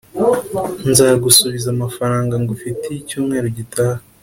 nzagusubiza amafaranga ngufitiye icyumweru gitaha.